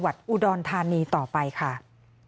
ไม่รู้จริงว่าเกิดอะไรขึ้น